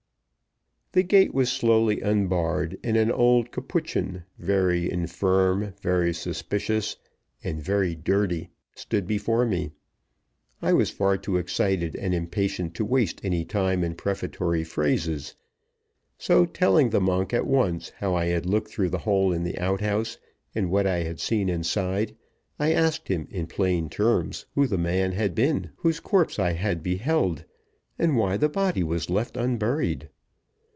The gate was slowly unbarred, and an old Capuchin, very infirm, very suspicious, and very dirty, stood before me. I was far too excited and impatient to waste any time in prefatory phrases; so, telling the monk at once how I had looked through the hole in the outhouse, and what I had seen inside, I asked him, in plain terms, who the man had been whose corpse I had beheld, and why the body was left unburied?